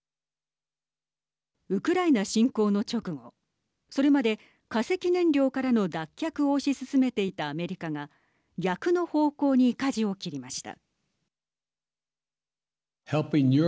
ウクライナ侵攻の直後それまで化石燃料からの脱却を推し進めていたアメリカが逆の方向にかじを切りました。